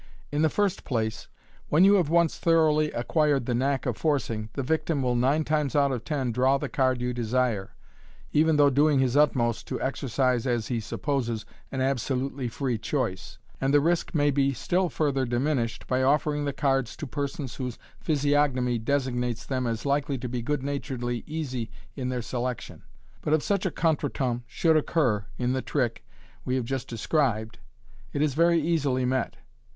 In the first place, when you have once thoroughly acquired the knack of forcing, the victim will, nine times out of ten, draw the card you desire, even though doing his utmost to exercise, as he supposes, an absolutely free choice j and the risk may be still further diminished by offering the cards to persons whose physiog nomy designates them as likely to be good naturedly easy in their selection. But if such a contretemps should occur in the trick we have just described, it is very easily met.